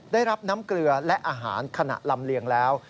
ได้รับน้ำเกลือและอาหารขณะลำเลียงแล้ว